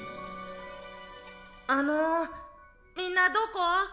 あのみんなどこ？